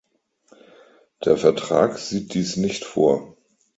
Der Vertrag sieht dies nicht vor.